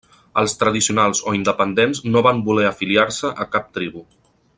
Els Tradicionals o independents no van voler afiliar-se a cap tribu.